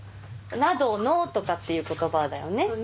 「などの」とかっていう言葉だよね？